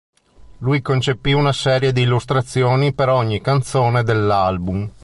Lui concepì una serie di illustrazioni per ogni canzone dell'album.